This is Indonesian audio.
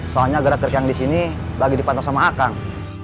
soalnya gerak gerak yang di sini lagi dipantau sama akang